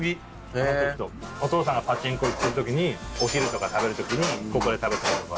お父さんがパチンコ行ってる時にお昼とか食べる時にここで食べたりとか。